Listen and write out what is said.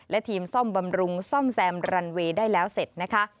และทีมซ่อมบำรุงซ่อมแซมรันเวย์ได้แล้วเสร็จนะคะ